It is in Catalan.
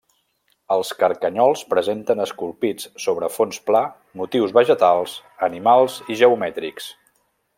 Els carcanyols presenten esculpits, sobre fons pla, motius vegetals, animals i geomètrics.